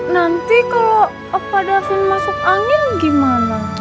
nanti kalau opa davin masuk angin gimana